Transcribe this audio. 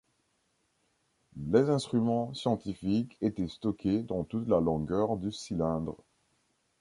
Les instruments scientifiques étaient stockés dans toute la longueur du cylindre.